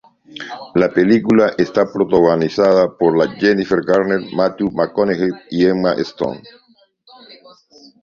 La película está protagonizada por Jennifer Garner, Matthew McConaughey y Emma Stone.